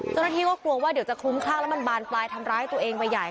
เจ้าหน้าที่ก็กลัวว่าเดี๋ยวจะคลุ้มคลั่งแล้วมันบานปลายทำร้ายตัวเองไปใหญ่